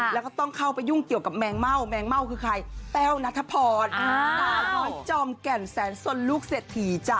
แล้วก็ต้องเข้าไปยุงเกี่ยวกับแมงเม่าแมงเม่าคือใครแป้วธพภ์ตาโย้ยจอมแก่นแสนสนฤทธิจะ